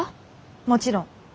もちろん。